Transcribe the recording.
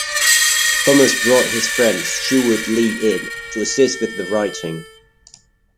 Thomas brought his friend Stewart Lee in to assist with the writing.